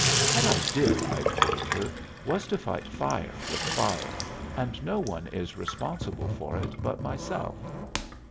"What I did," I told her, "was to fight fire with fire, and no one is responsible for it but myself."